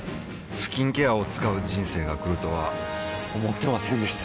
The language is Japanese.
スキンケアを使う人生が来るとは思ってませんでした